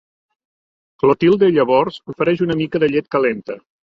Clotilde llavors ofereix una mica de llet calenta.